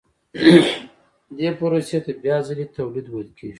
دې پروسې ته بیا ځلي تولید ویل کېږي